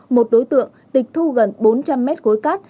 một đối tượng tịch thu gần bốn trăm linh m cuối cát